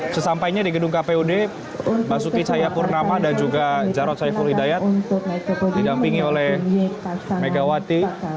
sesampainya di gedung kpud basuki cayapurnama dan juga jarod saiful hidayat didampingi oleh megawati